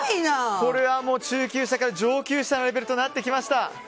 これは中級者から上級者レベルになってきました！